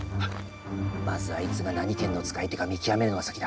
まずあいつが何拳の使い手か見極めるのが先だ。